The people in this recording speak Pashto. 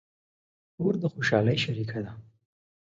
خور د خوشحالۍ شریکه ده.